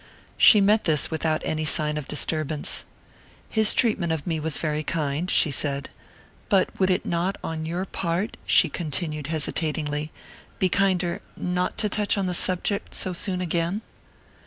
She met this without any sign of disturbance. "His treatment of me was very kind," she said. "But would it not, on your part," she continued hesitatingly, "be kinder not to touch on the subject so soon again?"